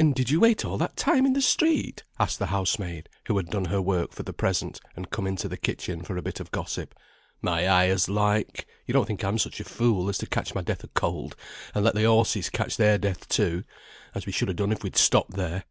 "And did you wait all that time in the street?" asked the housemaid, who had done her work for the present, and come into the kitchen for a bit of gossip. "My eye as like! you don't think I'm such a fool as to catch my death of cold, and let the horses catch their death too, as we should ha' done if we'd stopped there.